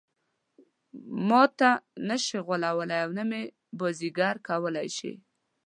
ماته نه شي غولولای او نه مې بازيګر کولای شي.